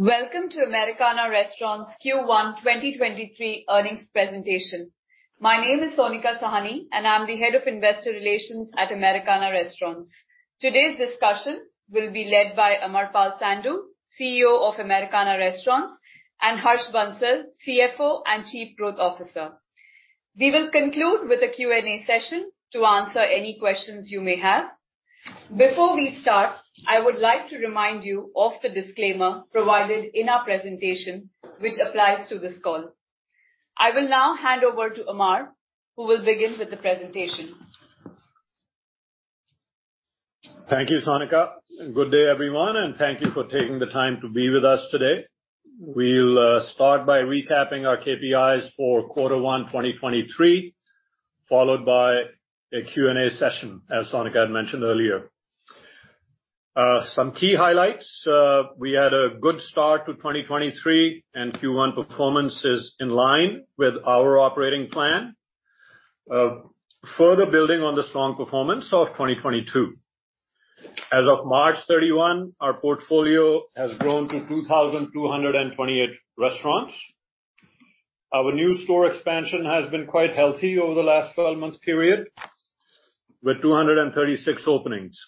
Welcome to Americana Restaurants Q1 2023 earnings presentation. My name is Sonika Sahani, and I'm the Head of Investor Relations at Americana Restaurants. Today's discussion will be led by Amarpal Sandhu, CEO of Americana Restaurants, and Harsh Bansal, CFO and Chief Growth Officer. We will conclude with a Q&A session to answer any questions you may have. Before we start, I would like to remind you of the disclaimer provided in our presentation, which applies to this call. I will now hand over to Amarpal, who will begin with the presentation. Thank you, Sonika. Good day, everyone. Thank you for taking the time to be with us today. We'll start by recapping our KPIs for quarter one 2023, followed by a Q&A session, as Sonika had mentioned earlier. Some key highlights. We had a good start to 2023 and Q1 performance is in line with our operating plan. Further building on the strong performance of 2022. As of March 31, our portfolio has grown to 2,228 restaurants. Our new store expansion has been quite healthy over the last 12-month period with 236 openings.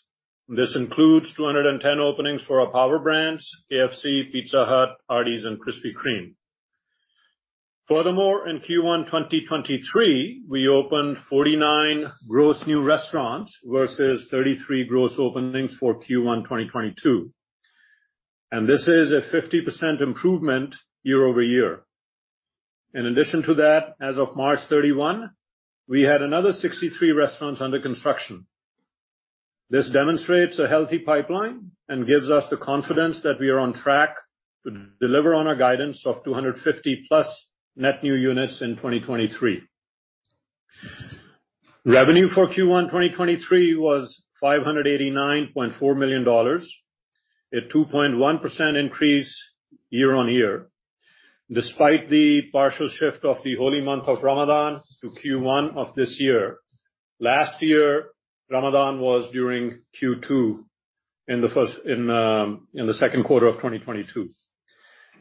This includes 210 openings for our power brands, KFC, Pizza Hut, Arby's, and Krispy Kreme. In Q1 2023, we opened 49 gross new restaurants versus 33 gross openings for Q1 2022. This is a 50% improvement year-over-year. In addition to that, as of March 31, we had another 63 restaurants under construction. This demonstrates a healthy pipeline and gives us the confidence that we are on track to deliver on our guidance of 250+ net new units in 2023. Revenue for Q1 2023 was $589.4 million, a 2.1% increase year-on-year, despite the partial shift of the holy month of Ramadan to Q1 of this year. Last year, Ramadan was during Q2 in the second quarter of 2022.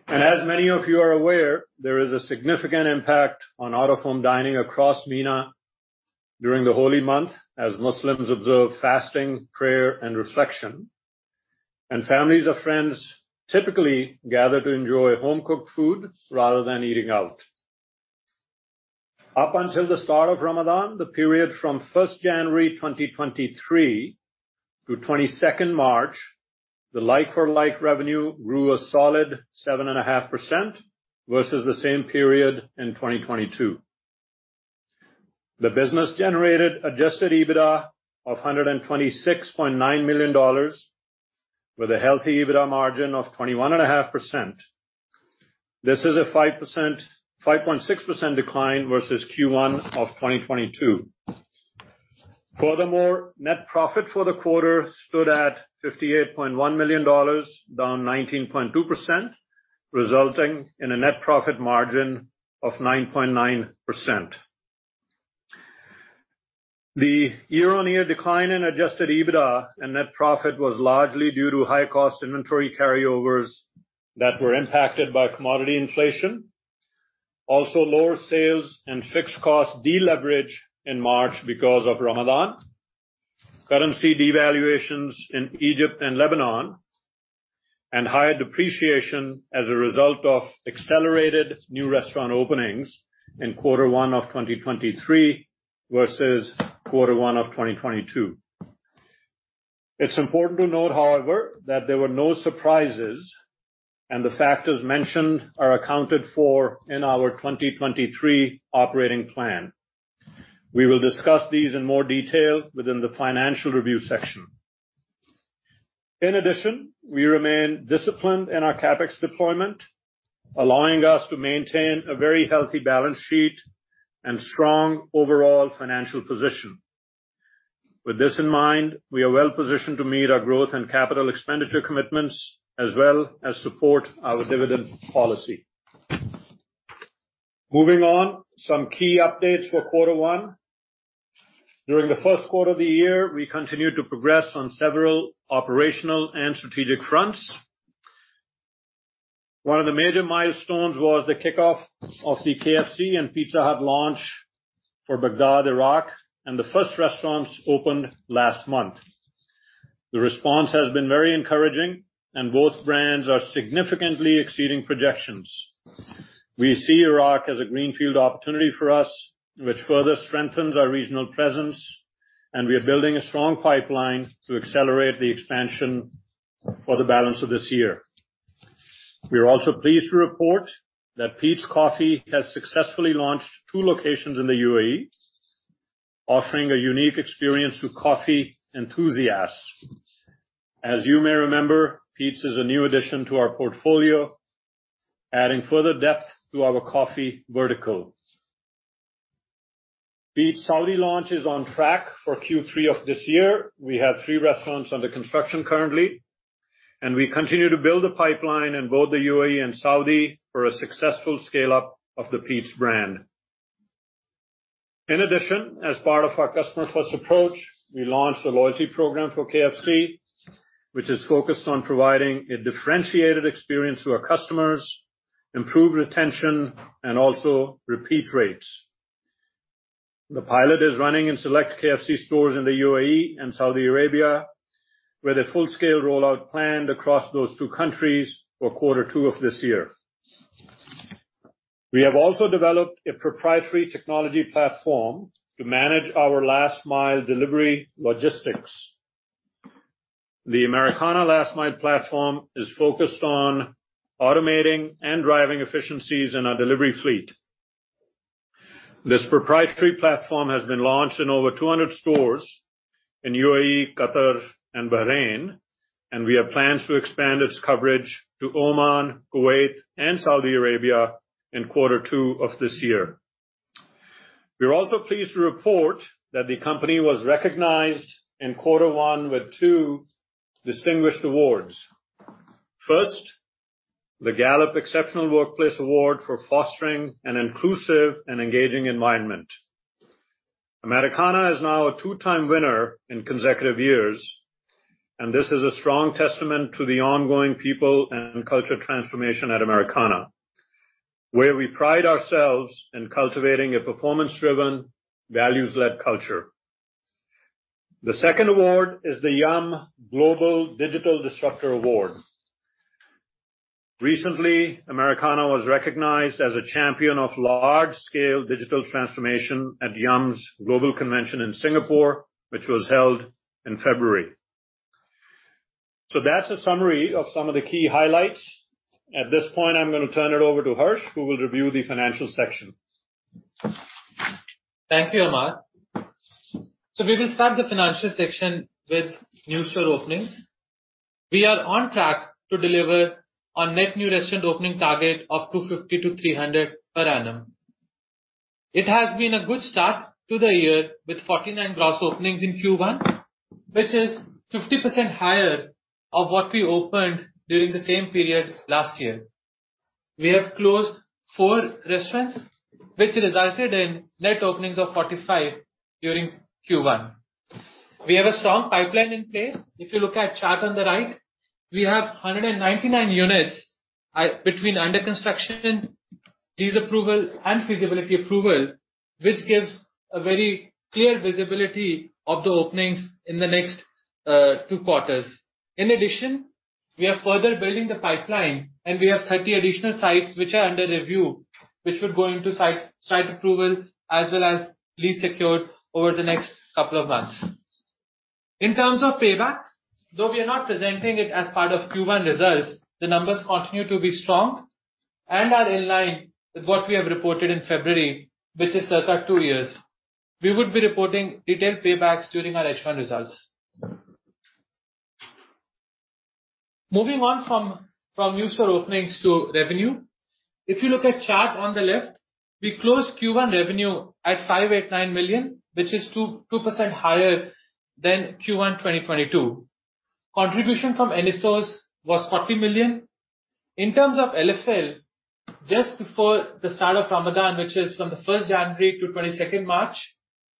As many of you are aware, there is a significant impact on out-of-home dining across MENA during the holy month, as Muslims observe fasting, prayer, and reflection. Families or friends typically gather to enjoy home-cooked food rather than eating out. Up until the start of Ramadan, the period from January 1st, 2023 to March 22nd, the LFL revenue grew a solid 7.5% versus the same period in 2022. The business generated adjusted EBITDA of $126.9 million, with a healthy EBITDA margin of 21.5%. This is a 5.6% decline versus Q1 of 2022. Net profit for the quarter stood at $58.1 million, down 19.2%, resulting in a net profit margin of 9.9%. The year-over-year decline in adjusted EBITDA and net profit was largely due to high cost inventory carryovers that were impacted by commodity inflation. Lower sales and fixed cost deleverage in March because of Ramadan, currency devaluations in Egypt and Lebanon, and higher depreciation as a result of accelerated new restaurant openings in quarter one of 2023 versus quarter one of 2022. It's important to note, however, that there were no surprises, and the factors mentioned are accounted for in our 2023 operating plan. We will discuss these in more detail within the financial review section. We remain disciplined in our CapEx deployment, allowing us to maintain a very healthy balance sheet and strong overall financial position. With this in mind, we are well positioned to meet our growth and capital expenditure commitments as well as support our dividend policy. Moving on, some key updates for quarter one. During the first quarter of the year, we continued to progress on several operational and strategic fronts. One of the major milestones was the kickoff of the KFC and Pizza Hut launch for Baghdad, Iraq. The first restaurants opened last month. The response has been very encouraging. Both brands are significantly exceeding projections. We see Iraq as a greenfield opportunity for us, which further strengthens our regional presence. We are building a strong pipeline to accelerate the expansion for the balance of this year. We are also pleased to report that Peet's Coffee has successfully launched two locations in the UAE, offering a unique experience to coffee enthusiasts. As you may remember, Peet's is a new addition to our portfolio, adding further depth to our coffee vertical. Peet's Saudi launch is on track for Q3 of this year. We have three restaurants under construction currently. We continue to build a pipeline in both the UAE and Saudi for a successful scale-up of the Peet's brand. In addition, as part of our customer first approach, we launched a loyalty program for KFC, which is focused on providing a differentiated experience to our customers, improve retention and also repeat rates. The pilot is running in select KFC stores in the UAE and Saudi Arabia, with a full-scale rollout planned across those two countries for Q2 of this year. We have also developed a proprietary technology platform to manage our last mile delivery logistics. The Americana Last Mile Platform is focused on automating and driving efficiencies in our delivery fleet. This proprietary platform has been launched in over 200 stores in UAE, Qatar and Bahrain. We have plans to expand its coverage to Oman, Kuwait and Saudi Arabia in quarter two of this year. We are also pleased to report that the company was recognized in quarter one with two distinguished awards. First, the Gallup Exceptional Workplace Award for fostering an inclusive and engaging environment. Americana is now a two-time winner in consecutive years. This is a strong testament to the ongoing people and culture transformation at Americana, where we pride ourselves in cultivating a performance-driven, values-led culture. The second award is the Yum! Global Digital Disruptor Award. Recently, Americana was recognized as a champion of large-scale digital transformation at Yum's global convention in Singapore, which was held in February. That's a summary of some of the key highlights. At this point, I'm gonna turn it over to Harsh, who will review the financial section. Thank you, Amarpal. We will start the financial section with new store openings. We are on track to deliver our net new restaurant opening target of 250-300 per annum. It has been a good start to the year with 49 gross openings in Q1, which is 50% higher of what we opened during the same period last year. We have closed four restaurants, which resulted in net openings of 45 during Q1. We have a strong pipeline in place. If you look at chart on the right, we have 199 units at, between under construction, lease approval and feasibility approval, which gives a very clear visibility of the openings in the next two quarters. In addition, we are further building the pipeline, and we have 30 additional sites which are under review, which would go into site approval as well as lease secured over the next couple of months. In terms of payback, though we are not presenting it as part of Q1 results, the numbers continue to be strong and are in line with what we have reported in February, which is circa two years. We would be reporting detailed paybacks during our H1 results. Moving on from new store openings to revenue. If you look at chart on the left, we closed Q1 revenue at $589 million, which is 2% higher than Q1 2022. Contribution from NSOS was $40 million. In terms of LFL, just before the start of Ramadan, which is from the 1st January to 22nd March,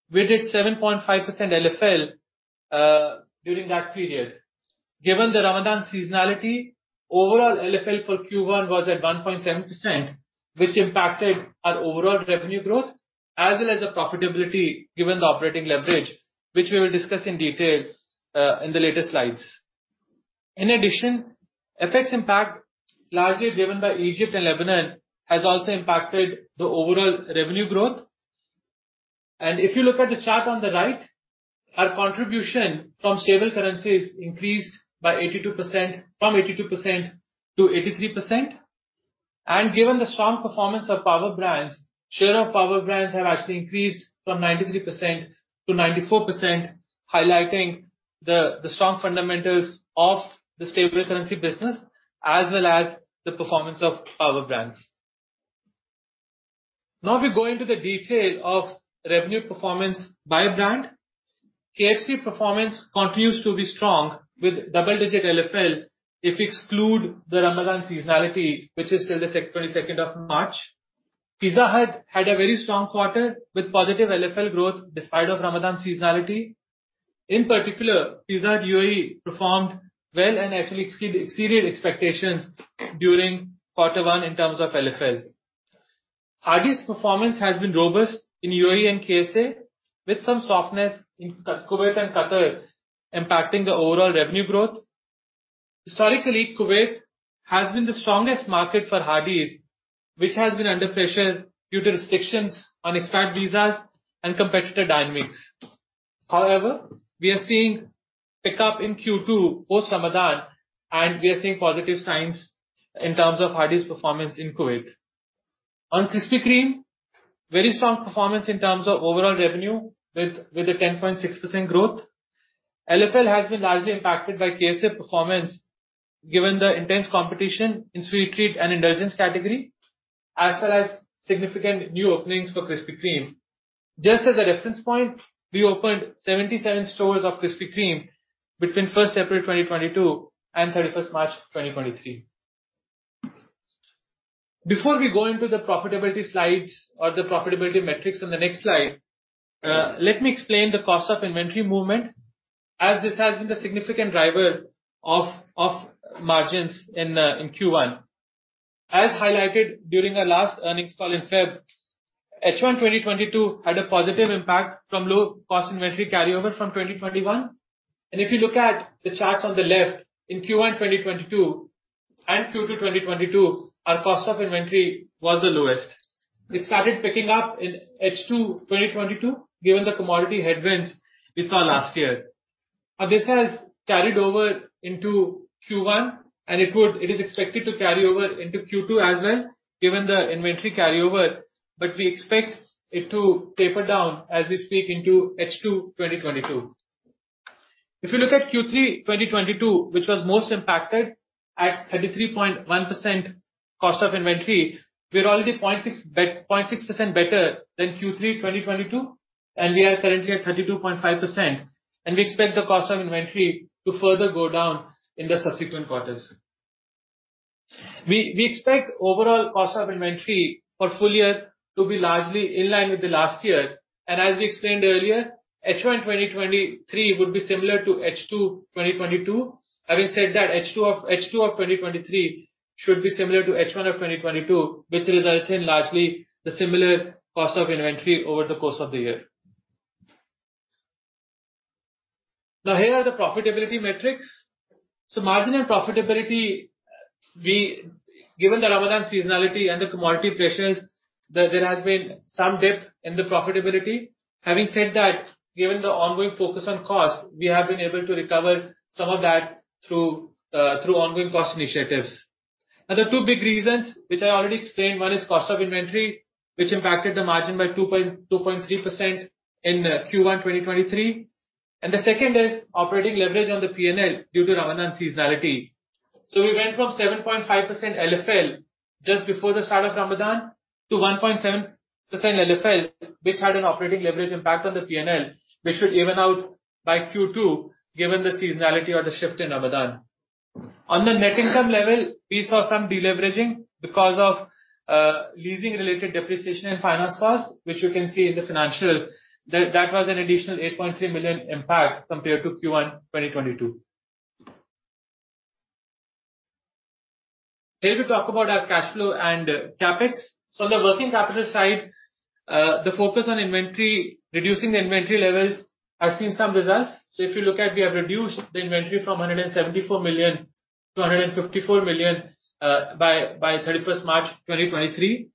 we did 7.5% LFL during that period. Given the Ramadan seasonality, overall LFL for Q1 was at 1.7%, which impacted our overall revenue growth as well as the profitability given the operating leverage, which we will discuss in detail in the later slides. In addition, FX impact, largely driven by Egypt and Lebanon, has also impacted the overall revenue growth. If you look at the chart on the right, our contribution from stable currencies increased by 82%, from 82% to 83%. Given the strong performance of power brands, share of power brands have actually increased from 93% to 94%, highlighting the strong fundamentals of the stable currency business as well as the performance of power brands. Now we go into the detail of revenue performance by brand. KFC performance continues to be strong with double-digit LFL if exclude the Ramadan seasonality, which is till the 22nd of March. Pizza Hut had a very strong quarter with positive LFL growth despite of Ramadan seasonality. In particular, Pizza Hut UAE performed well and actually exceeded expectations during quarter one in terms of LFL. Hardee's performance has been robust in UAE and KSA, with some softness in Kuwait and Qatar impacting the overall revenue growth. Historically, Kuwait has been the strongest market for Hardee's, which has been under pressure due to restrictions on expat visas and competitor dynamics. However, we are seeing pickup in Q2 post-Ramadan, and we are seeing positive signs in terms of Hardee's performance in Kuwait. On Krispy Kreme, very strong performance in terms of overall revenue with a 10.6% growth. LFL has been largely impacted by KSA performance given the intense competition in sweet treat and indulgence category, as well as significant new openings for Krispy Kreme. Just as a reference point, we opened 77 stores of Krispy Kreme between 1st April 2022 and 31st March 2023. Before we go into the profitability slides or the profitability metrics on the next slide, let me explain the cost of inventory movement, as this has been the significant driver of margins in Q1. As highlighted during our last earnings call in Feb, HY 2022 had a positive impact from low cost inventory carryover from 2021. If you look at the charts on the left, in Q1 2022 and Q2 2022, our cost of inventory was the lowest. It started picking up in H2 2022, given the commodity headwinds we saw last year. This has carried over into Q1, and it is expected to carry over into Q2 as well, given the inventory carryover, but we expect it to taper down as we speak into H2 2022. If you look at Q3 2022, which was most impacted at 33.1% cost of inventory, we're already 0.6% better than Q3 2022, and we are currently at 32.5%, and we expect the cost of inventory to further go down in the subsequent quarters. We expect overall cost of inventory for full year to be largely in line with the last year, and as we explained earlier, HY in 2023 would be similar to H2 2022. Having said that, H2 of 2023 should be similar to H1 of 2022, which results in largely the similar cost of inventory over the course of the year. Here are the profitability metrics. Margin and profitability, we... Given the Ramadan seasonality and the commodity pressures, there has been some dip in the profitability. Having said that, given the ongoing focus on cost, we have been able to recover some of that through ongoing cost initiatives. The two big reasons, which I already explained, one is cost of inventory, which impacted the margin by 2.3% in Q1 2023, and the second is operating leverage on the P&L due to Ramadan seasonality. We went from 7.5% LFL just before the start of Ramadan to 1.7% LFL, which had an operating leverage impact on the P&L, which should even out by Q2, given the seasonality or the shift in Ramadan. On the net income level, we saw some deleveraging because of leasing-related depreciation and finance costs, which you can see in the financials. That was an additional $8.3 million impact compared to Q1 2022. Here we talk about our cash flow and CapEx. On the working capital side, the focus on inventory, reducing the inventory levels has seen some results. If you look at, we have reduced the inventory from $174 million to $154 million, by March 31, 2023.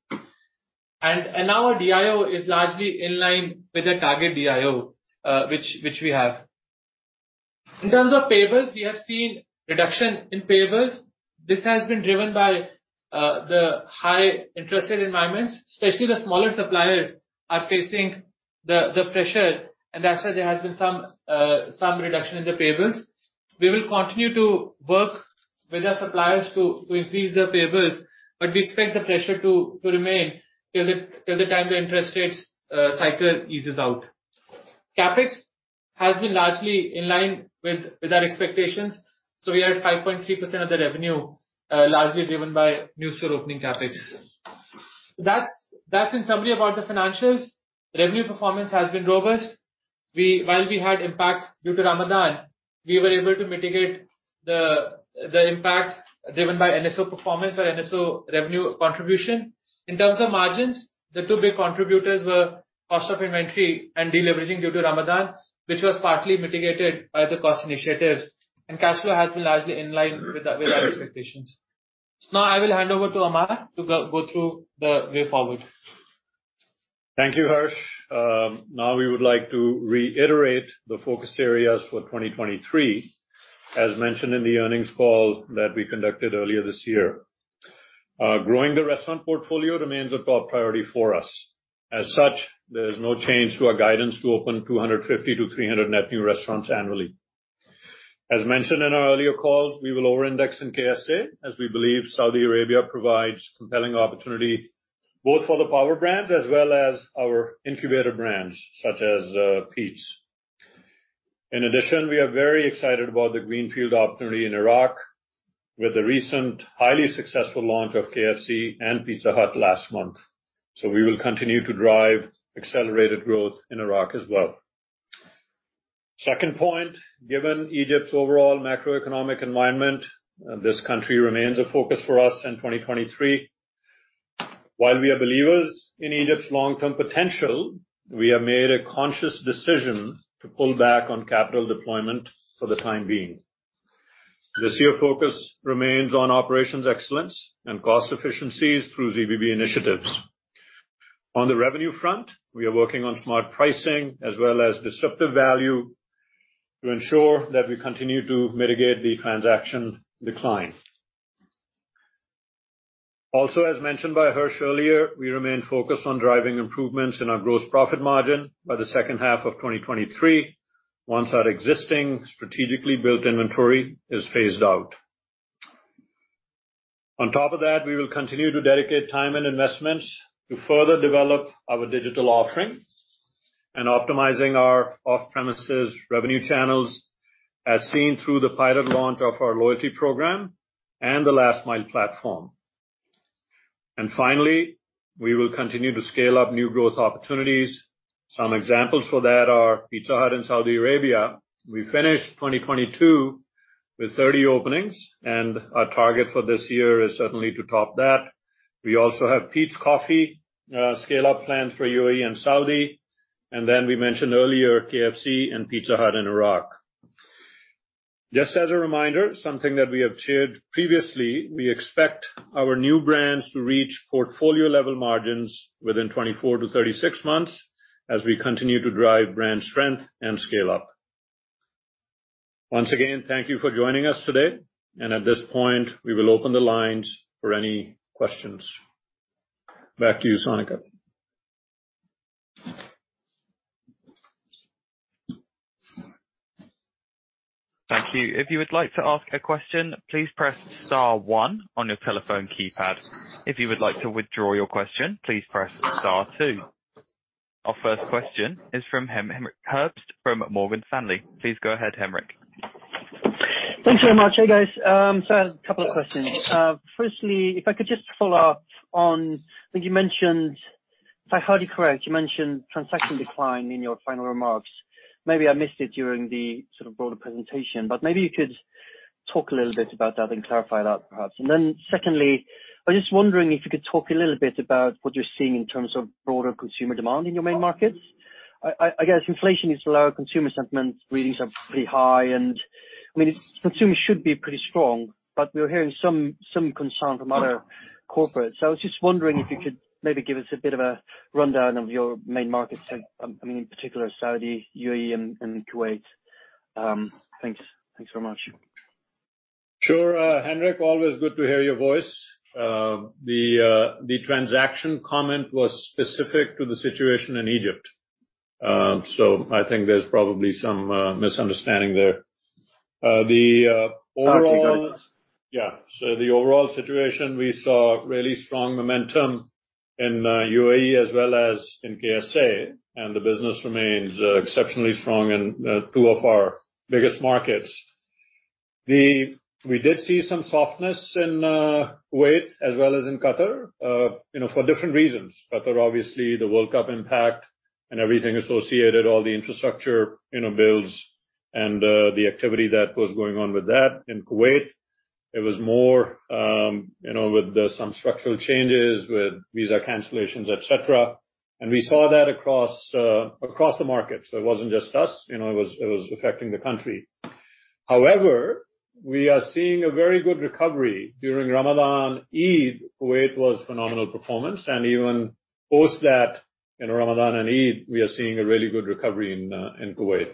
Our DIO is largely in line with the target DIO, which we have. In terms of payables, we have seen reduction in payables. This has been driven by the high interest rate environments, especially the smaller suppliers are facing the pressure, that's why there has been some reduction in the payables. We will continue to work with our suppliers to increase their payables, but we expect the pressure to remain till the time the interest rates cycle eases out. CapEx has been largely in line with our expectations. We are at 5.3% of the revenue, largely driven by new store opening CapEx. That's in summary about the financials. Revenue performance has been robust. While we had impact due to Ramadan, we were able to mitigate the impact driven by NSO performance or NSO revenue contribution. In terms of margins, the two big contributors were cost of inventory and deleveraging due to Ramadan, which was partly mitigated by the cost initiatives. Cash flow has been largely in line with our expectations. Now I will hand over to Amar to go through the way forward. Thank you, Harsh. We would like to reiterate the focus areas for 2023, as mentioned in the earnings call that we conducted earlier this year. Growing the restaurant portfolio remains a top priority for us. As such, there's no change to our guidance to open 250-300 net new restaurants annually. As mentioned in our earlier calls, we will over-index in KSA, as we believe Saudi Arabia provides compelling opportunity both for the power brands as well as our incubator brands, such as, Pizza. In addition, we are very excited about the greenfield opportunity in Iraq with the recent highly successful launch of KFC and Pizza Hut last month. We will continue to drive accelerated growth in Iraq as well. Second point, given Egypt's overall macroeconomic environment, this country remains a focus for us in 2023. While we are believers in Egypt's long-term potential, we have made a conscious decision to pull back on capital deployment for the time being. This year, focus remains on operations excellence and cost efficiencies through ZBB initiatives. On the revenue front, we are working on smart pricing as well as disruptive value to ensure that we continue to mitigate the transaction decline. Also, as mentioned by Harsh earlier, we remain focused on driving improvements in our gross profit margin by the second half of 2023 once our existing strategically built inventory is phased out. On top of that, we will continue to dedicate time and investments to further develop our digital offerings. Optimizing our off-premises revenue channels, as seen through the pilot launch of our loyalty program and the Americana Last Mile Platform. Finally, we will continue to scale up new growth opportunities. Some examples for that are Pizza Hut in Saudi Arabia. We finished 2022 with 30 openings, our target for this year is certainly to top that. We also have Peet's Coffee scale up plans for UAE and Saudi, we mentioned earlier KFC and Pizza Hut in Iraq. Just as a reminder, something that we have shared previously, we expect our new brands to reach portfolio-level margins within 24 to 36 months as we continue to drive brand strength and scale up. Once again, thank you for joining us today. At this point, we will open the lines for any questions. Back to you, Sonika. Thank you. If you would like to ask a question, please press star one on your telephone keypad. If you would like to withdraw your question, please press star two. Our first question is from Henrik Herbst from Morgan Stanley. Please go ahead, Henrik. Thank you very much. Hey, guys. A couple of questions. Firstly, if I could just follow up on, I think you mentioned, if I heard you correct, you mentioned transaction decline in your final remarks. Maybe I missed it during the sort of broader presentation, maybe you could talk a little bit about that and clarify that perhaps. Secondly, I'm just wondering if you could talk a little bit about what you're seeing in terms of broader consumer demand in your main markets. I guess inflation is low, consumer sentiment readings are pretty high, I mean, consumers should be pretty strong, we're hearing some concern from other corporates. I was just wondering if you could maybe give us a bit of a rundown of your main markets, I mean, in particular Saudi, U.A.E., and Kuwait. Thanks so much. Sure, Henrik. Always good to hear your voice. The transaction comment was specific to the situation in Egypt, I think there's probably some misunderstanding there. Sorry. Yeah. The overall situation, we saw really strong momentum in UAE as well as in KSA, and the business remains exceptionally strong in two of our biggest markets. We did see some softness in Kuwait as well as in Qatar, you know, for different reasons. Qatar, obviously the World Cup impact and everything associated, all the infrastructure, you know, builds and the activity that was going on with that. In Kuwait, it was more, you know, with some structural changes, with visa cancellations, et cetera. We saw that across the market. It wasn't just us, you know, it was affecting the country. However, we are seeing a very good recovery during Ramadan Eid, Kuwait was phenomenal performance. Even post that, you know, Ramadan and Eid, we are seeing a really good recovery in Kuwait.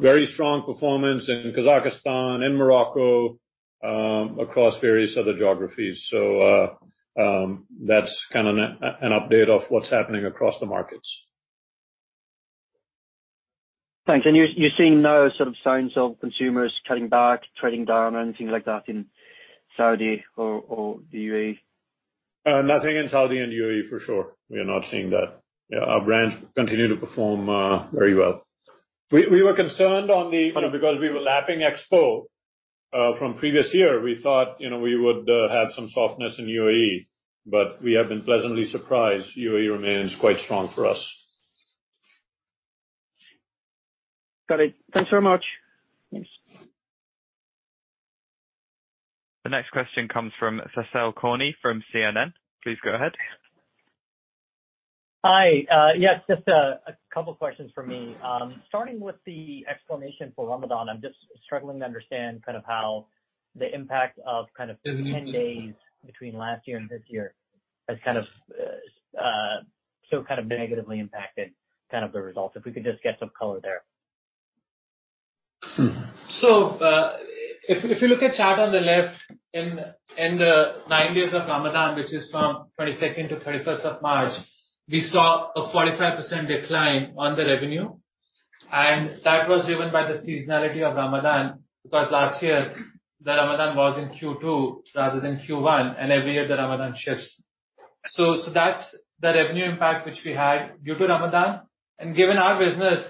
Very strong performance in Kazakhstan, in Morocco, across various other geographies. That's kind of an update of what's happening across the markets. Thanks. You're seeing no sort of signs of consumers cutting back, trading down or anything like that in Saudi or the UAE? Nothing in Saudi and UAE for sure. We are not seeing that. Yeah, our brands continue to perform very well. We were concerned. You know, because we were lapping Expo from previous year, we thought, you know, we would have some softness in UAE, but we have been pleasantly surprised. UAE remains quite strong for us. Got it. Thanks very much. Thanks. The next question comes from Céline Cornu from CNN. Please go ahead. Hi. Yes, just a couple questions from me. Starting with the explanation for Ramadan, I'm just struggling to understand kind of how the impact of kind of. Mm-hmm. The 10 days between last year and this year has kind of, so kind of negatively impacted kind of the results. If we could just get some color there? Hmm. If you look at chart on the left, in the nine days of Ramadan, which is from 22nd to 31st of March, we saw a 45% decline on the revenue. That was driven by the seasonality of Ramadan, because last year Ramadan was in Q2 rather than Q1. Every year Ramadan shifts. That's the revenue impact which we had due to Ramadan. Given our business,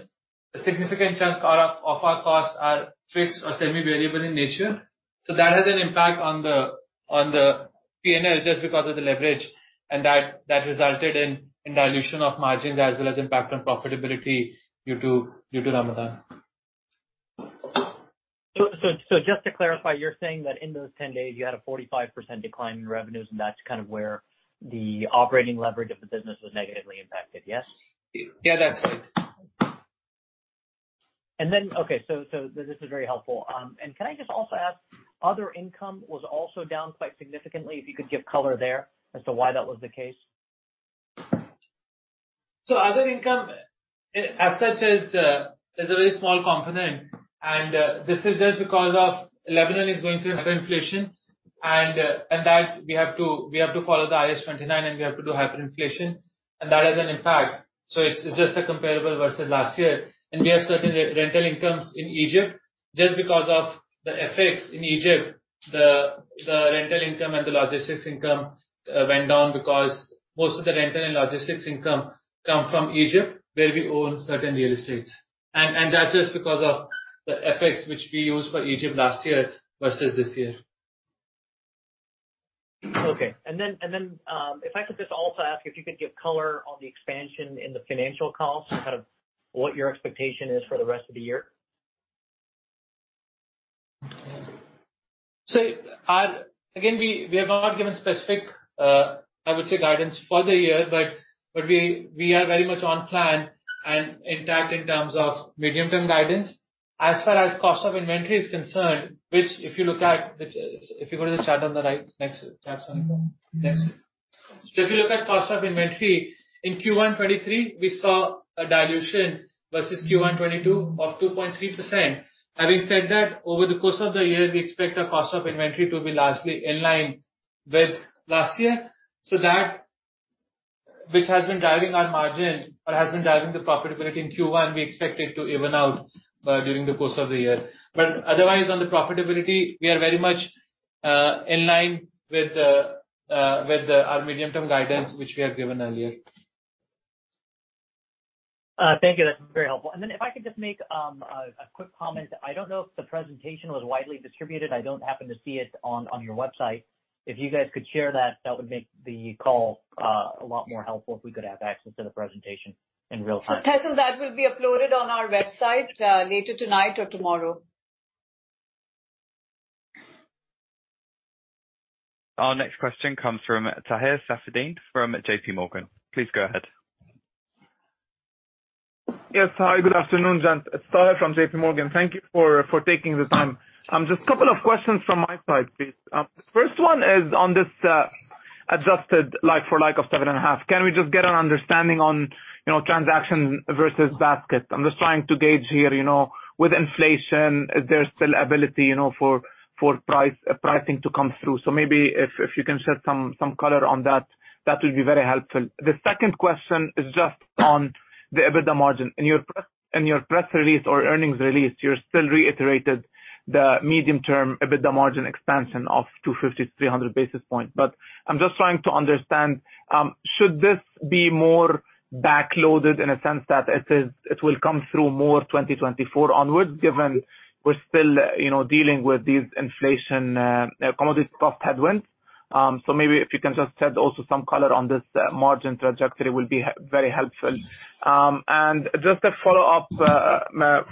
a significant chunk of our costs are fixed or semi-variable in nature. That has an impact on the P&L just because of the leverage. That resulted in dilution of margins as well as impact on profitability due to Ramadan. Just to clarify, you're saying that in those 10 days, you had a 45% decline in revenues, and that's kind of where the operating leverage of the business was negatively impacted, yes? Yeah, that's right. Okay. So this is very helpful. Can I just also ask, other income was also down quite significantly. If you could give color there as to why that was the case. Other income as such is a very small component, and this is just because of Lebanon is going through hyperinflation and that we have to follow the IAS 29, and we have to do hyperinflation, and that has an impact. It's just a comparable versus last year. We have certain re-rental incomes in Egypt. Just because of the effects in Egypt, the rental income and the logistics income went down because most of the rental and logistics income come from Egypt, where we own certain real estates. That's just because of the effects which we used for Egypt last year versus this year. Okay. If I could just also ask you if you could give color on the expansion in the financial calls and kind of what your expectation is for the rest of the year. Again, we have not given specific, I would say, guidance for the year, but we are very much on plan and intact in terms of medium-term guidance. As far as cost of inventory is concerned, which if you look at, if you go to the chart on the right. Next slide. Next. If you look at cost of inventory, in Q1 2023, we saw a dilution versus Q1 2022 of 2.3%. Having said that, over the course of the year, we expect our cost of inventory to be largely in line with last year. That, which has been driving our margins or has been driving the profitability in Q1, we expect it to even out during the course of the year. Otherwise, on the profitability, we are very much in line with our medium-term guidance, which we have given earlier. Thank you. That's very helpful. If I could just make a quick comment. I don't know if the presentation was widely distributed. I don't happen to see it on your website. If you guys could share that would make the call a lot more helpful if we could have access to the presentation in real time. Tessa, that will be uploaded on our website, later tonight or tomorrow. Our next question comes from Taher Safieddine from JPMorgan. Please go ahead. Yes. Hi, good afternoon, gents. It's Taher from JPMorgan. Thank you for taking the time. Just couple of questions from my side, please. First one is on this adjusted like-for-like of 7.5. Can we just get an understanding on, you know, transaction versus basket? I'm just trying to gauge here, you know, with inflation, is there still ability, you know, for pricing to come through? Maybe if you can shed some color on that would be very helpful. The second question is just on the EBITDA margin. In your press release or earnings release, you still reiterated the medium-term EBITDA margin expansion of 250-300 basis point. I'm just trying to understand, should this be more backloaded in a sense that it will come through more 2024 onwards, given we're still, you know, dealing with these inflation, commodity cost headwinds? Maybe if you can just shed also some color on this, margin trajectory will be very helpful. Just a follow-up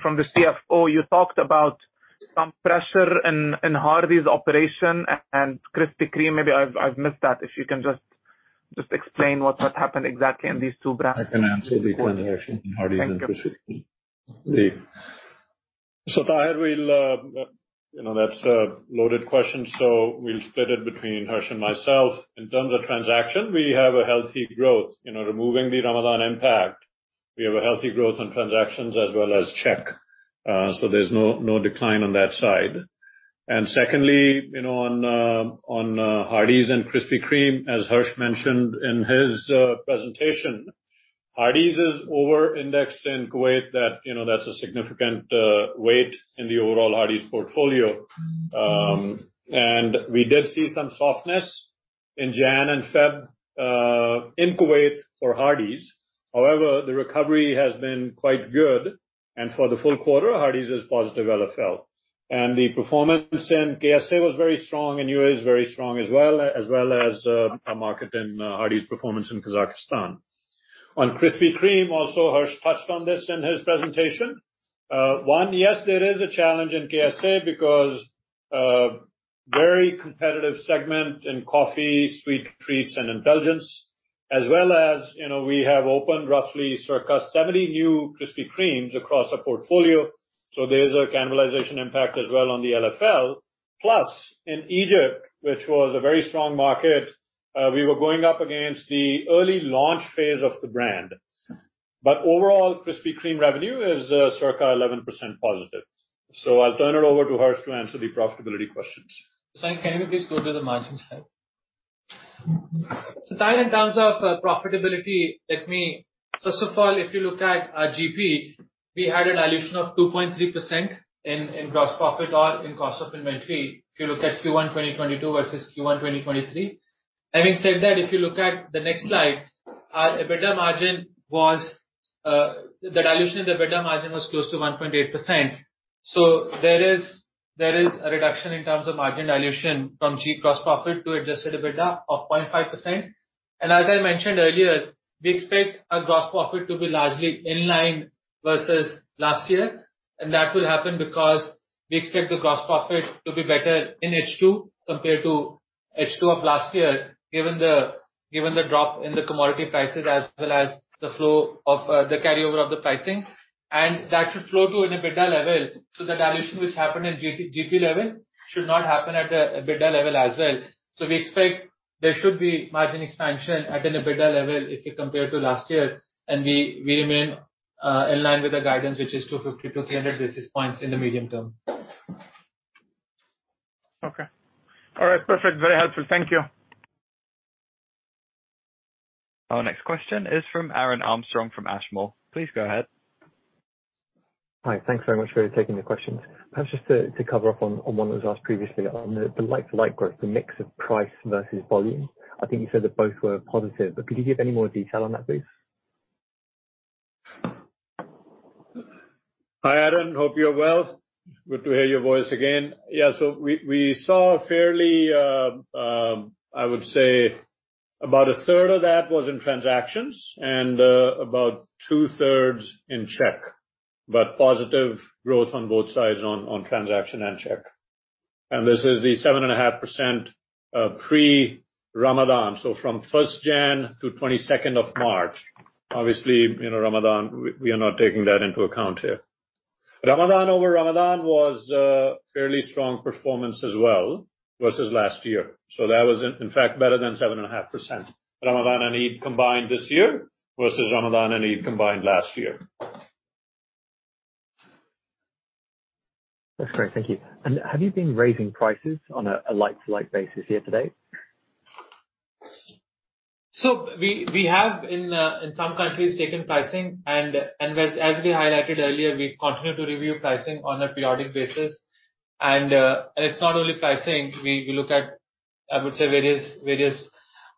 from the CFO, you talked about some pressure in Hardee's operation and Krispy Kreme. Maybe I've missed that. If you can just explain what has happened exactly in these two brands. I can answer the transaction in Hardee's and Krispy Kreme. Thank you. Taher we'll, you know, that's a loaded question, so we'll split it between Harsh and myself. In terms of transaction, we have a healthy growth. You know, removing the Ramadan impact, we have a healthy growth on transactions as well as check. There's no decline on that side. Secondly, you know, on Hardee's and Krispy Kreme, as Harsh mentioned in his presentation, Hardee's is over-indexed in Kuwait that, you know, that's a significant weight in the overall Hardee's portfolio. We did see some softness in January and February in Kuwait for Hardee's. However, the recovery has been quite good, and for the full quarter, Hardee's is positive LFL. The performance in KSA was very strong, and UA is very strong as well, as well as our market in Hardee's performance in Kazakhstan. On Krispy Kreme, also Harsh touched on this in his presentation. One, yes, there is a challenge in KSA because, very competitive segment in coffee, sweet treats and indulgence. As well as, you know, we have opened roughly circa 70 new Krispy Kremes across our portfolio, so there is a cannibalization impact as well on the LFL. In Egypt, which was a very strong market, we were going up against the early launch phase of the brand. Overall, Krispy Kreme revenue is, circa 11% positive. I'll turn it over to Harsh to answer the profitability questions. Can you please go to the margins slide? Taher, in terms of profitability, let me. First of all, if you look at our GP, we had a dilution of 2.3% in gross profit or in cost of inventory, if you look at Q1 2022 versus Q1 2023. Having said that, if you look at the next slide, our EBITDA margin was the dilution in the EBITDA margin was close to 1.8%. There is a reduction in terms of margin dilution from gross profit to adjusted EBITDA of 0.5%. As I mentioned earlier, we expect our gross profit to be largely in line versus last year. That will happen because we expect the gross profit to be better in H2 compared to H2 of last year, given the drop in the commodity prices as well as the flow of the carryover of the pricing. That should flow to an EBITDA level. The dilution which happened in GP level should not happen at the EBITDA level as well. We expect there should be margin expansion at an EBITDA level if you compare to last year. We remain in line with the guidance, which is 250-300 basis points in the medium term. Okay. All right, perfect. Very helpful. Thank you. Our next question is from Eraj Ahmed from Ashmore Group. Please go ahead. Hi. Thanks very much for taking the questions. Perhaps just to cover up on one that was asked previously on the like-for-like growth, the mix of price versus volume. I think you said that both were positive, but could you give any more detail on that, please? Hi, Eraj Ahmed. Hope you're well. Good to hear your voice again. Yeah. We saw a fairly, I would say about a third of that was in transactions and about two-thirds in check, but positive growth on both sides on transaction and check. This is the 7.5% pre-Ramadan. From January 1 to March 22. Obviously, you know, Ramadan, we are not taking that into account here. Ramadan over Ramadan was a fairly strong performance as well versus last year. That was in fact better than 7.5%. Ramadan and Eid combined this year versus Ramadan and Eid combined last year. That's great. Thank you. Have you been raising prices on a like-to-like basis year to date? We have in some countries, taken pricing and as we highlighted earlier, we continue to review pricing on a periodic basis. It's not only pricing. We look at, I would say, various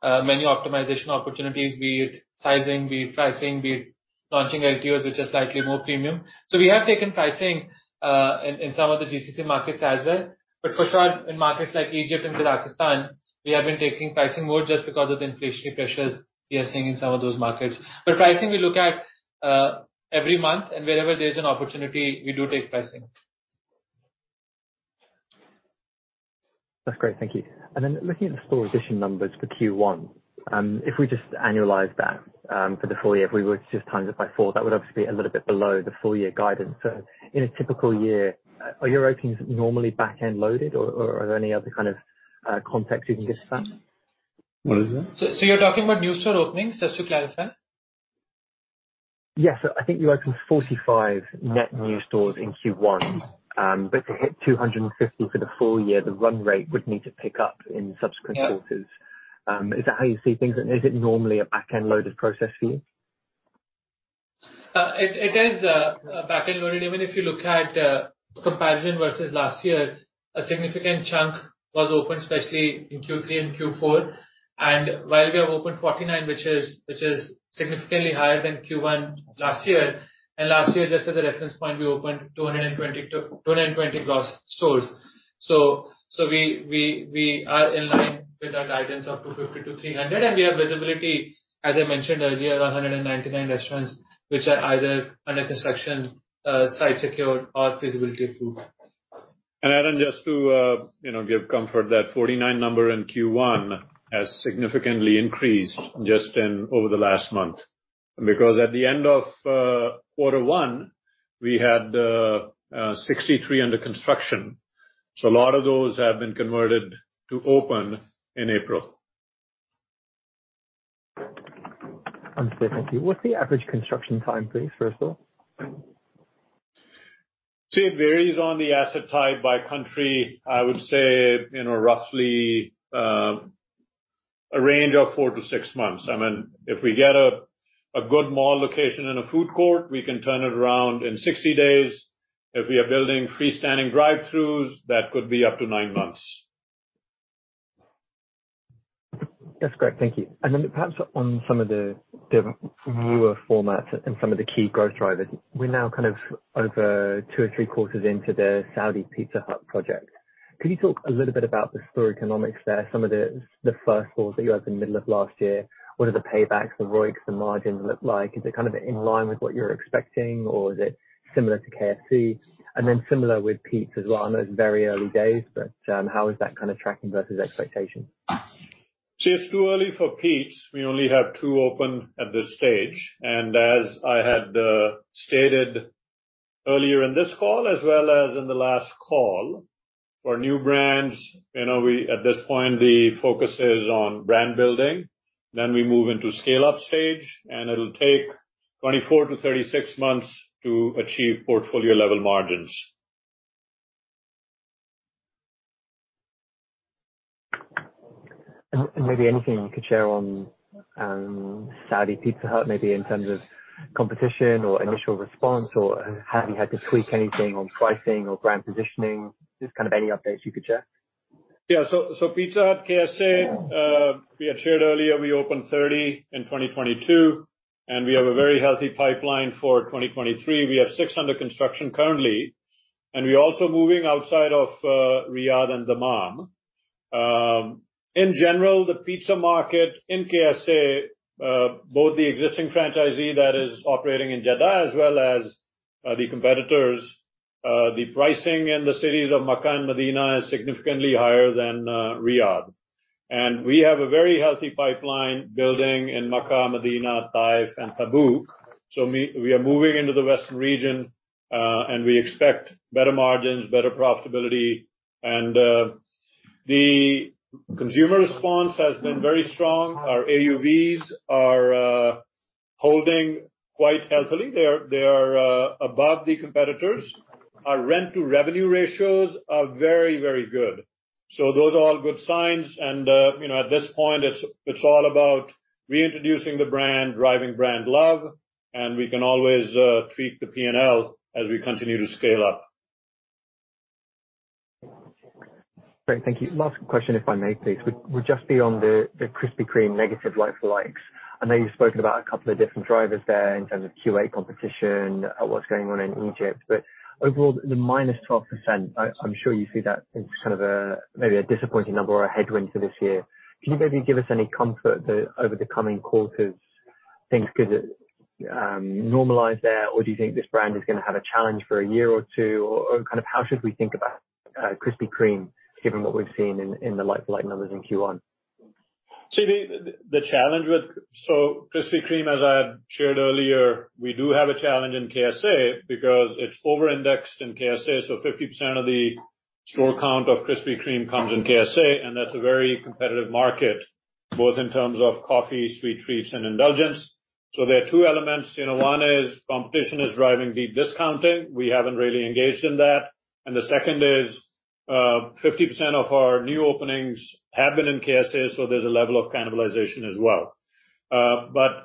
menu optimization opportunities, be it sizing, be it pricing, be it launching LTOs which are slightly more premium. We have taken pricing in some of the GCC markets as well. For sure, in markets like Egypt and Kazakhstan, we have been taking pricing more just because of the inflationary pressures we are seeing in some of those markets. Pricing, we look at every month and wherever there's an opportunity, we do take pricing. That's great. Thank you. Looking at the store addition numbers for Q1, if we just annualize that, for the full year, if we were to just times it by four, that would obviously be a little bit below the full year guidance. In a typical year, are your openings normally back-end loaded or are there any other kind of context you can give to that? What is that? You're talking about new store openings, just to clarify? I think you opened 45 net new stores in Q1, but to hit 250 for the full year, the run rate would need to pick up in. Yeah. -quarters. Is that how you see things and is it normally a back-end loaded process for you? It is back-end loaded. Even if you look at comparison versus last year, a significant chunk was opened, especially in Q3 and Q4. While we have opened 49, which is significantly higher than Q1 last year, and last year, just as a reference point, we opened 220-220 gross stores. We are in line with our guidance of 250-300. We have visibility, as I mentioned earlier, 199 restaurants which are either under construction, site secured or feasibility approved. Eraj, just to, you know, give comfort, that 49 number in Q1 has significantly increased just in over the last month. At the end of quarter one, we had 63 under construction. A lot of those have been converted to open in April. Understood. Thank you. What's the average construction time frame for a store? It varies on the asset type by country. I would say in a roughly, a range of 4-6 months. We get a good mall location in a food court, we can turn it around in 60 days. We are building freestanding drive-throughs, that could be up to nine months. That's great. Thank you. Perhaps on some of the newer formats and some of the key growth drivers. We're now kind of over two or three quarters into the Saudi Pizza Hut project. Can you talk a little bit about the store economics there, some of the first stores that you opened middle of last year? What are the paybacks, the ROIC, the margins look like? Is it kind of in line with what you're expecting or is it similar to KFC? Similar with Peet's as well. I know it's very early days, but how is that kind of tracking versus expectations? See, it's too early for Peet's. We only have two open at this stage. As I had stated earlier in this call, as well as in the last call, for new brands, you know, at this point the focus is on brand building, then we move into scale-up stage and it'll take 24-36 months to achieve portfolio level margins. Maybe anything you could share on, Saudi Pizza Hut, maybe in terms of competition or initial response or have you had to tweak anything on pricing or brand positioning? Just kind of any updates you could share. Pizza Hut KSA, we had shared earlier we opened 30 in 2022, we have a very healthy pipeline for 2023. We have six under construction currently, we're also moving outside of Riyadh and Dammam. In general, the pizza market in KSA, both the existing franchisee that is operating in Jeddah as well as the competitors, the pricing in the cities of Makkah and Madinah is significantly higher than Riyadh. We have a very healthy pipeline building in Makkah, Madinah, Taif, and Tabuk. We are moving into the western region, we expect better margins, better profitability, the consumer response has been very strong. Our AUVs are holding quite healthily. They are above the competitors. Our rent-to-revenue ratios are very, very good. Those are all good signs and, you know, at this point it's all about reintroducing the brand, driving brand love, and we can always, tweak the P&L as we continue to scale up. Great. Thank you. Last question, if I may please. would just be on the Krispy Kreme negative like for likes. I know you've spoken about a couple of different drivers there in terms of QA competition, what's going on in Egypt. Overall, the -12%, I'm sure you see that as kind of a, maybe a disappointing number or a headwind for this year. Can you maybe give us any comfort that over the coming quarters things could normalize there? Or do you think this brand is gonna have a challenge for a year or two? Or kind of how should we think about Krispy Kreme given what we've seen in the like for like numbers in Q1? The challenge with Krispy Kreme, as I had shared earlier, we do have a challenge in KSA because it's over-indexed in KSA, so 50% of the store count of Krispy Kreme comes in KSA, and that's a very competitive market, both in terms of coffee, sweet treats, and indulgence. There are two elements, you know. One is competition is driving deep discounting. We haven't really engaged in that. The second is, 50% of our new openings have been in KSA, so there's a level of cannibalization as well.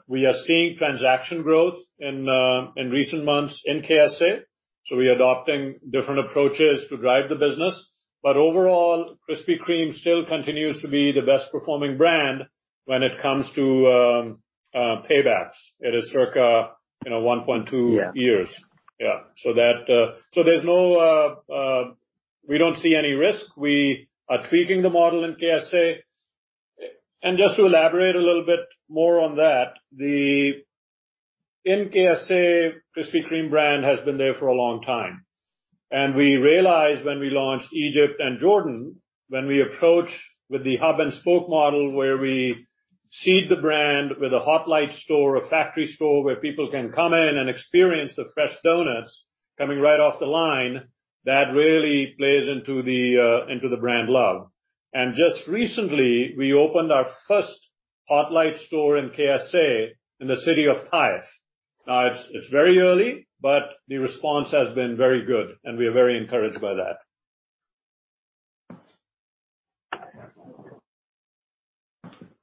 We are seeing transaction growth in recent months in KSA, so we're adopting different approaches to drive the business. Overall, Krispy Kreme still continues to be the best performing brand when it comes to paybacks. It is circa, you know, 1.2. Yeah. Years. There's no, we don't see any risk. We are tweaking the model in KSA. Just to elaborate a little bit more on that, in KSA, Krispy Kreme brand has been there for a long time, and we realized when we launched Egypt and Jordan, when we approached with the hub and spoke model where we seed the brand with a Hot Light store, a factory store where people can come in and experience the fresh donuts coming right off the line, that really plays into the brand love. Just recently, we opened our first Hot Light store in KSA in the city of Taif. It's very early, but the response has been very good, and we are very encouraged by that.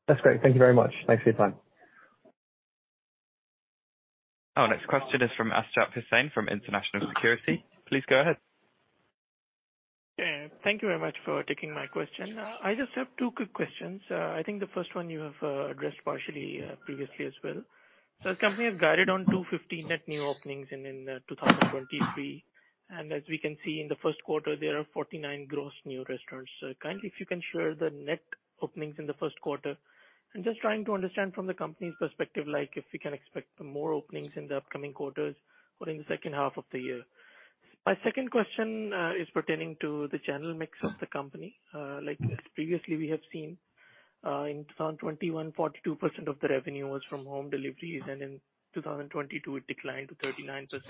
That's great. Thank you very much. Thanks for your time. Our next question is from Asjad Hussain from International Securities. Please go ahead. Yeah. Thank you very much for taking my question. I just have two quick questions. I think the first one you have addressed partially previously as well. The company have guided on 250 net new openings in 2023. As we can see in the first quarter, there are 49 gross new restaurants. Kindly if you can share the net openings in the first quarter. I'm just trying to understand from the company's perspective, like if we can expect more openings in the upcoming quarters or in the second half of the year. My second question is pertaining to the channel mix of the company. Like previously we have seen in 2021, 42% of the revenue was from home deliveries, and in 2022 it declined to 39%.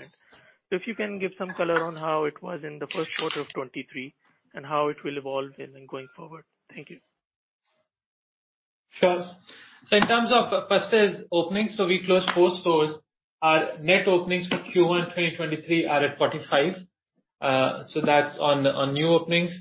If you can give some color on how it was in the first quarter of 2023 and how it will evolve going forward. Thank you. Sure. In terms of, first is openings, we closed four stores. Our net openings for Q1 2023 are at 45. That's on new openings.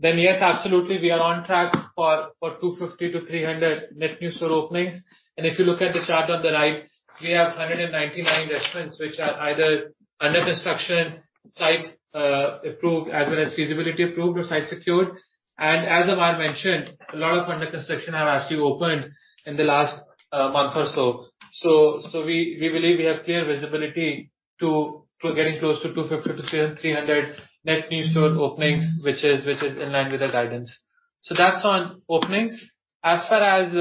Yes, absolutely we are on track for 250-300 net new store openings. If you look at the chart on the right, we have 199 restaurants which are either under construction, site approved as well as feasibility approved or site secured. As Avan mentioned, a lot of under construction have actually opened in the last month or so. We believe we have clear visibility to getting close to 250-300 net new store openings, which is in line with our guidance. That's on openings. As far as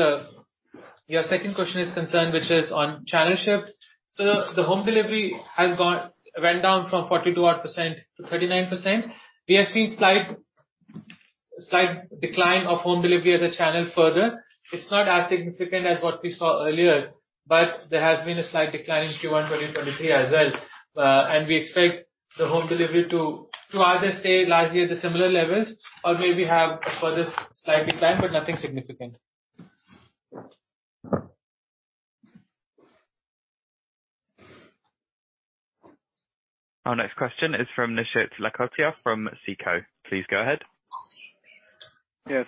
your second question is concerned, which is on channel shift, the home delivery Went down from 42% odd to 39%. We have seen slight decline of home delivery as a channel further. It's not as significant as what we saw earlier, but there has been a slight decline in Q1 2023 as well. We expect the home delivery to either stay largely at the similar levels or maybe have a further slight decline, but nothing significant. Our next question is from Nishit Lakhotia from SICO. Please go ahead. Yes.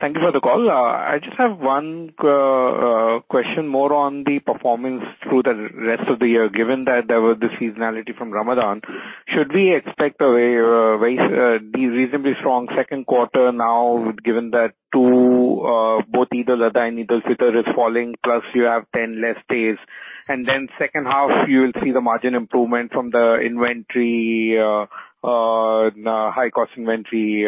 Thank you for the call. I just have one question more on the performance through the rest of the year, given that there were the seasonality from Ramadan. Should we expect a very reasonably strong second quarter now, given that two both Eid al-Adha and Eid al-Fitr is falling, plus you have 10 less days, and then second half you will see the margin improvement from the inventory high cost inventory,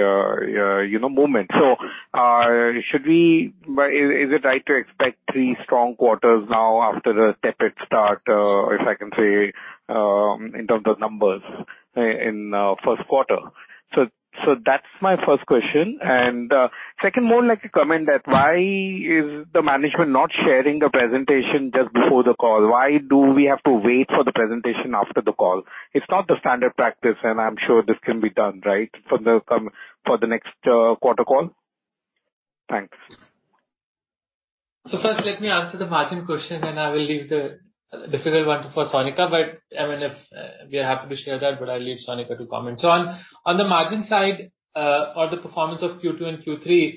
you know, movement. Is it right to expect three strong quarters now after a tepid start, if I can say, in terms of numbers in first quarter? That's my first question. Second, more like a comment that why is the management not sharing the presentation just before the call? Why do we have to wait for the presentation after the call? It's not the standard practice, and I'm sure this can be done, right? For the next quarter call. Thanks. First let me answer the margin question, then I will leave the difficult one for Sonika. I mean, if we are happy to share that, but I'll leave Sonika to comment. On the margin side, for the performance of Q2 and Q3,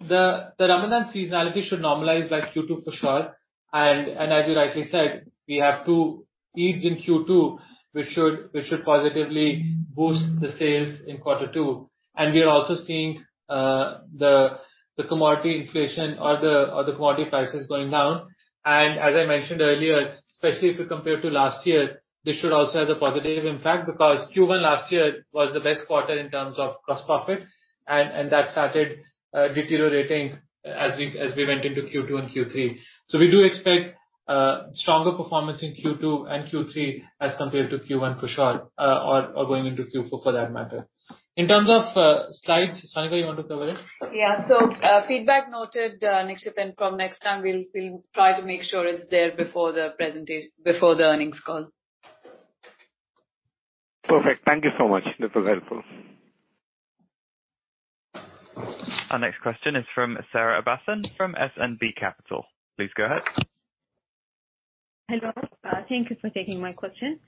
the Ramadan seasonality should normalize by Q2 for sure. As you rightly said, we have two Eids in Q2, which should positively boost the sales in quarter two. We are also seeing the commodity inflation or the commodity prices going down. As I mentioned earlier, especially if you compare to last year, this should also have a positive impact because Q1 last year was the best quarter in terms of gross profit and that started deteriorating as we went into Q2 and Q3. We do expect stronger performance in Q2 and Q3 as compared to Q1 for sure, or going into Q4 for that matter. In terms of slides, Sonika, you want to cover it? Yeah. Feedback noted, Nishit, from next time we'll try to make sure it's there before the earnings call. Perfect. Thank you so much. That was helpful. Our next question is from Sara Abushakra from SNB Capital. Please go ahead. Hello. Thank you for taking my question.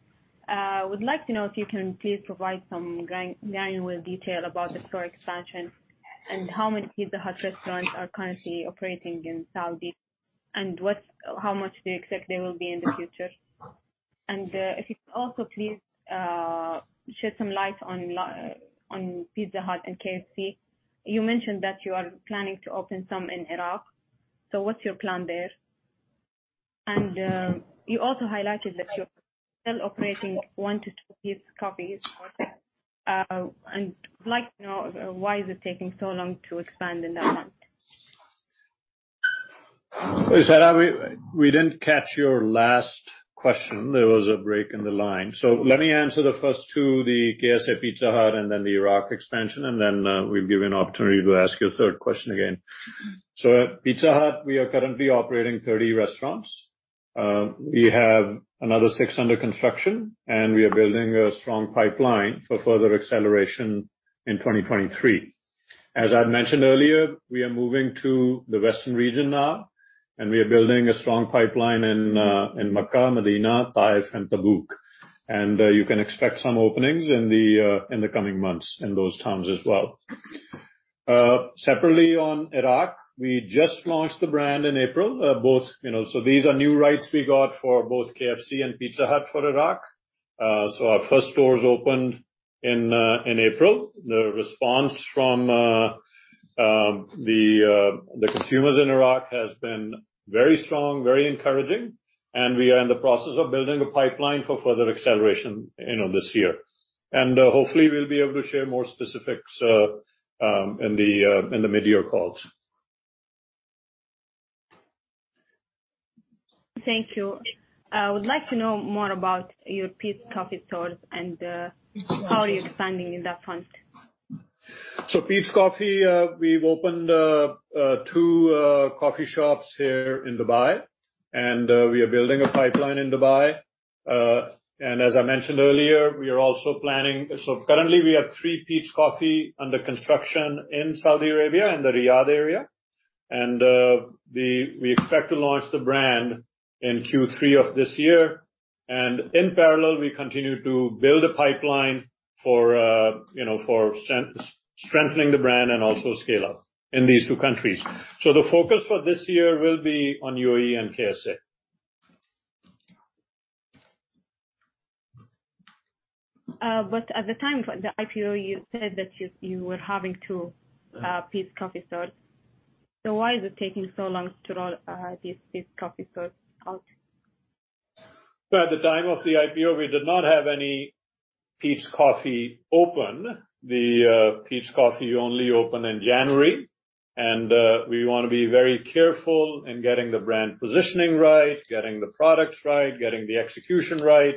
Would like to know if you can please provide some granular detail about the store expansion and how many Pizza Hut restaurants are currently operating in Saudi and how much do you expect they will be in the future, and if you could also please shed some light on Pizza Hut and KFC. You mentioned that you are planning to open some in Iraq, so what's your plan there? You also highlighted that you're still operating 1-2 Peet's Coffees. I'd like to know why is it taking so long to expand in that front? Sara, we didn't catch your last question. There was a break in the line. Let me answer the first two, the KSA Pizza Hut and then the Iraq expansion, then we'll give you an opportunity to ask your third question again. At Pizza Hut we are currently operating 30 restaurants. We have another six under construction, and we are building a strong pipeline for further acceleration in 2023. As I'd mentioned earlier, we are moving to the western region now, and we are building a strong pipeline in Makkah, Medina, Taif, and Tabuk. You can expect some openings in the coming months in those towns as well. Separately on Iraq, we just launched the brand in April, both, you know... These are new rights we got for both KFC and Pizza Hut for Iraq. Our first stores opened in April. The response from the consumers in Iraq has been very strong, very encouraging, and we are in the process of building a pipeline for further acceleration, you know, this year. Hopefully we'll be able to share more specifics in the mid-year calls. Thank you. I would like to know more about your Peet's Coffee stores and how are you expanding in that front? Peet's Coffee, we've opened two coffee shops here in Dubai, and we are building a pipeline in Dubai. As I mentioned earlier, we are also planning. Currently we have three Peet's Coffee under construction in Saudi Arabia in the Riyadh area. We expect to launch the brand in Q3 of this year. In parallel, we continue to build a pipeline for, you know, for strengthening the brand and also scale up in these two countries. The focus for this year will be on UAE and KSA. At the time for the IPO, you said that you were having 2 Peet's Coffee stores. Why is it taking so long to roll these Peet's Coffee stores out? At the time of the IPO, we did not have any Peet's Coffee open. The Peet's Coffee only opened in January. We wanna be very careful in getting the brand positioning right, getting the products right, getting the execution right.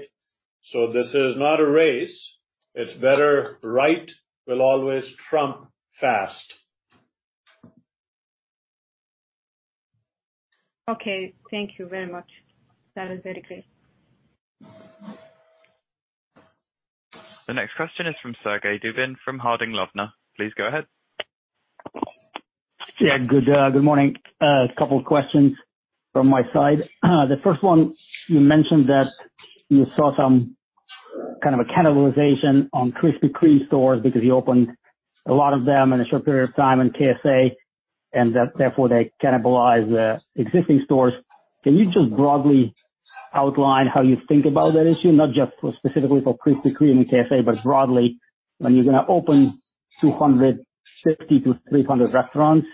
This is not a race. It's better right will always trump fast. Okay. Thank you very much. That is very clear. The next question is from Sergey Dubin from Harding Loevner. Please go ahead. Yeah. Good, good morning. A couple of questions from my side. The first one, you mentioned that you saw some kind of a cannibalization on Krispy Kreme stores because you opened a lot of them in a short period of time in KSA, and that therefore, they cannibalize the existing stores. Can you just broadly outline how you think about that issue? Not just specifically for Krispy Kreme in KSA, but broadly. When you're gonna open 260-300 restaurants,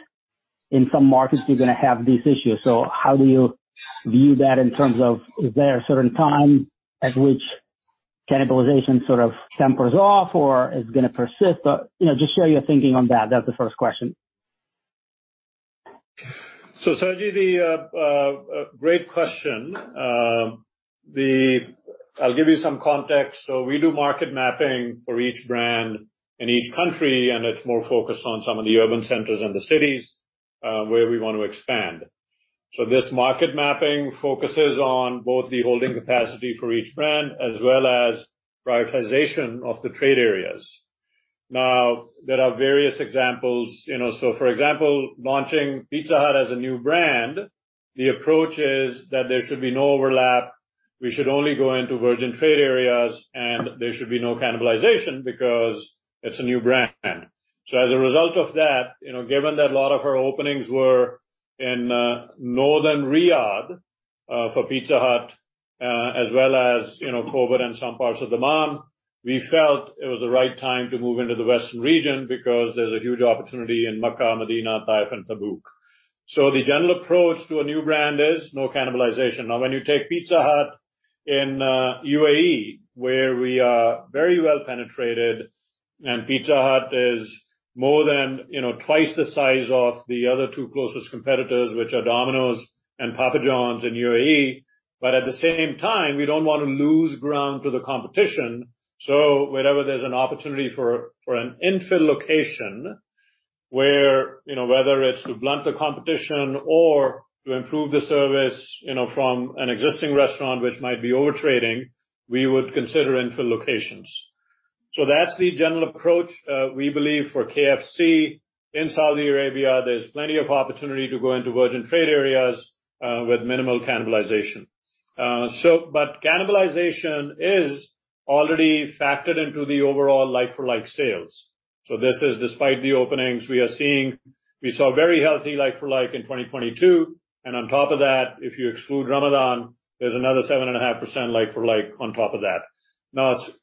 in some markets you're gonna have these issues. How do you view that in terms of is there a certain time at which cannibalization sort of tempers off or is gonna persist? You know, just share your thinking on that. That's the first question. Sergei, great question. I'll give you some context. We do market mapping for each brand in each country, and it's more focused on some of the urban centers and the cities where we want to expand. This market mapping focuses on both the holding capacity for each brand as well as prioritization of the trade areas. There are various examples, you know. For example, launching Pizza Hut as a new brand, the approach is that there should be no overlap. We should only go into virgin trade areas, and there should be no cannibalization because it's a new brand. As a result of that, you know, given that a lot of our openings were in northern Riyadh for Pizza Hut, as well as, you know, Covid in some parts of Dammam, we felt it was the right time to move into the western region because there's a huge opportunity in Makkah, Medina, Taif and Tabuk. The general approach to a new brand is no cannibalization. When you take Pizza Hut in UAE, where we are very well penetrated, and Pizza Hut is more than, you know, twice the size of the other two closest competitors, which are Domino's and Papa Johns in UAE. At the same time, we don't wanna lose ground to the competition. Wherever there's an opportunity for an infill location where, you know, whether it's to blunt the competition or to improve the service, you know, from an existing restaurant which might be over-trading, we would consider infill locations. That's the general approach, we believe for KFC in Saudi Arabia, there's plenty of opportunity to go into virgin trade areas, with minimal cannibalization. Cannibalization is already factored into the overall like-for-like sales. This is despite the openings we are seeing. We saw very healthy like-for-like in 2022, and on top of that, if you exclude Ramadan, there's another 7.5% like-for-like on top of that.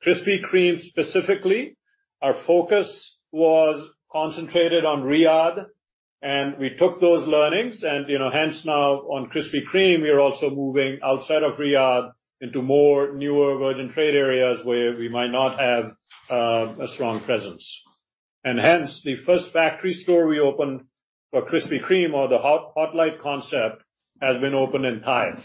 Krispy Kreme specifically, our focus was concentrated on Riyadh and we took those learnings and, you know, hence now on Krispy Kreme, we are also moving outside of Riyadh into more newer virgin trade areas where we might not have a strong presence. The first factory store we opened for Krispy Kreme or the Hot Light concept has been opened in Taif.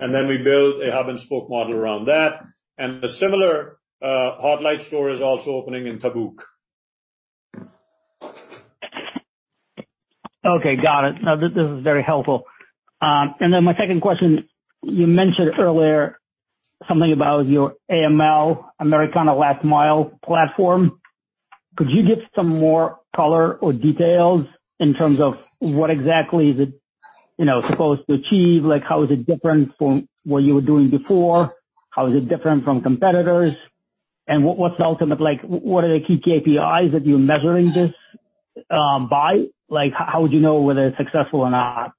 We build a hub and spoke model around that and a similar Hot Light store is also opening in Tabuk. Okay, got it. No, this is very helpful. Then my second question, you mentioned earlier something about your AML, Americana Last Mile Platform. Could you give some more color or details in terms of what exactly is it, you know, supposed to achieve? Like, how is it different from what you were doing before? How is it different from competitors? What are the key KPIs that you're measuring this by? Like, how would you know whether it's successful or not?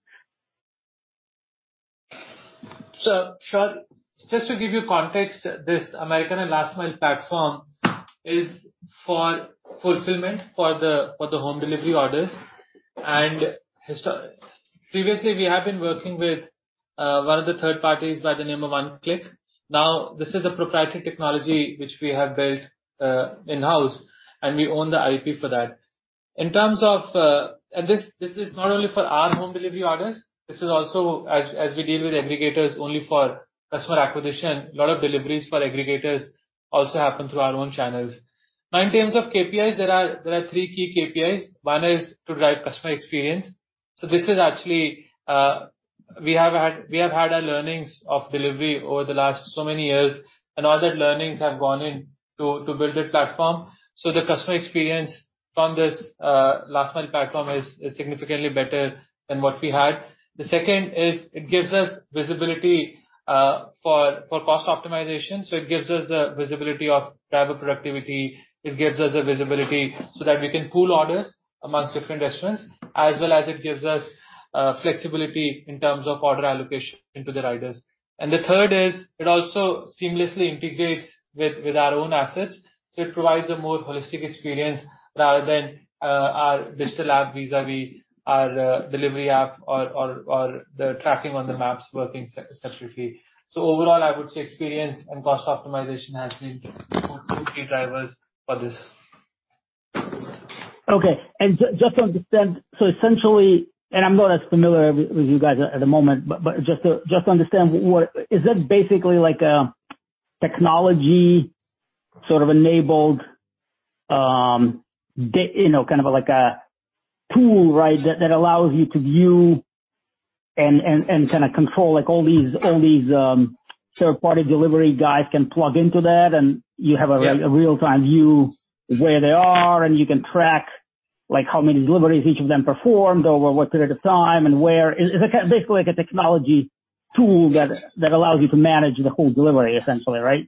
Sergey, just to give you context, this Americana Last Mile Platform is for fulfillment for the home delivery orders and previously we have been working with one of the third parties by the name of One Click. This is a proprietary technology which we have built in-house, and we own the IP for that. In terms of this is not only for our home delivery orders, this is also as we deal with aggregators only for customer acquisition, a lot of deliveries for aggregators also happen through our own channels. In terms of KPIs, there are three key KPIs. One is to drive customer experience. This is actually, we have had our learnings of delivery over the last so many years and all that learnings have gone in to build a platform. The customer experience from this Last Mile Platform is significantly better than what we had. The second is it gives us visibility for cost optimization. It gives us the visibility of driver productivity. It gives us a visibility so that we can pool orders amongst different restaurants as well as it gives us flexibility in terms of order allocation into the riders. The third is, it also seamlessly integrates with our own assets. It provides a more holistic experience rather than our digital app vis-a-vis our delivery app or the tracking on the maps working successfully. Overall, I would say experience and cost optimization has been two key drivers for this. Okay. Just to understand, essentially, and I'm not as familiar with you guys at the moment, but just to understand what? Is that basically like a technology sort of enabled, you know, kind of like a tool, right? That allows you to view and kinda control like all these third-party delivery guys can plug into that, and you have a... Yes. A real-time view where they are and you can track, like how many deliveries each of them performed over what period of time and where. Is it basically like a technology tool that allows you to manage the whole delivery essentially, right?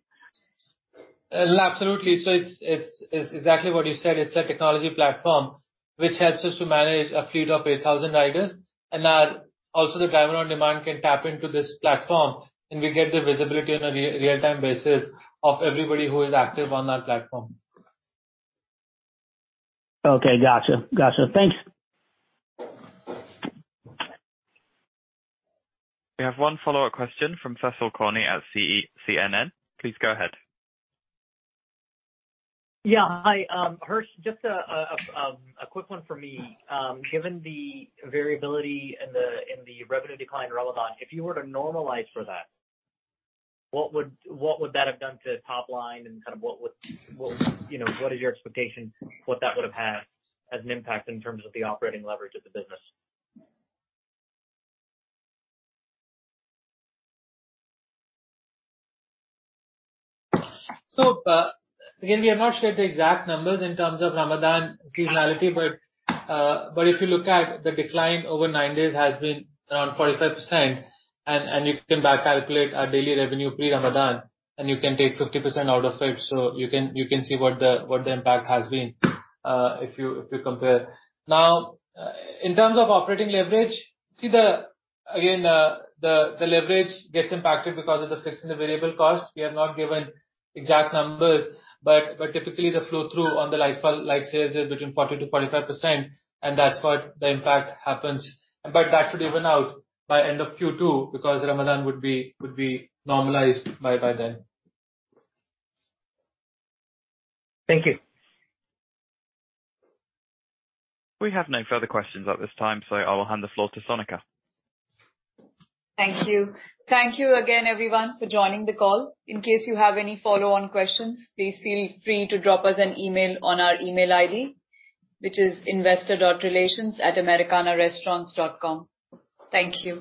Absolutely. It's exactly what you said. It's a technology platform which helps us to manage a fleet of 8,000 riders. Now also the driver on demand can tap into this platform. We get the visibility on a real-time basis of everybody who is active on that platform. Okay, gotcha. Gotcha. Thanks. We have one follow-up question from Cecil Corney at uncertain]. Please go ahead. Yeah, hi, Harsh, just a quick one for me. Given the variability in the revenue decline in Ramadan, if you were to normalize for that, what would that have done to top line and kind of what would you know, what is your expectation, what that would have had as an impact in terms of the operating leverage of the business? Again, we are not sharing the exact numbers in terms of Ramadan seasonality, but if you look at the decline over nine days has been around 45%. You can back calculate our daily revenue pre-Ramadan, and you can take 50% out of it. You can see what the impact has been if you compare. In terms of operating leverage, see the, again, the leverage gets impacted because of the fixed and the variable cost. We have not given exact numbers, but typically the flow through on the like sales is between 40%-45%, and that's what the impact happens. That should even out by end of Q2 because Ramadan would be normalized by then. Thank you. We have no further questions at this time, so I will hand the floor to Sonika. Thank you. Thank you again everyone for joining the call. In case you have any follow-on questions, please feel free to drop us an email on our email ID, which is investor.relations@americanarestaurants.com. Thank you.